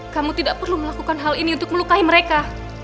kamu tidak perlu melakukan hal ini untuk melukai mereka